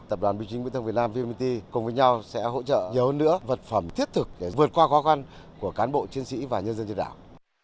tập đoàn bình chính viễn thông việt nam vmpt cùng với nhau sẽ hỗ trợ nhiều hơn nữa vật phẩm thiết thực để vượt qua khó khăn của cán bộ chiến sĩ và nhân dân trên đảo